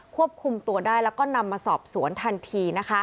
ควบคุมตัวได้แล้วก็นำมาสอบสวนทันที